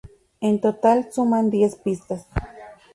En total suman diez pistas.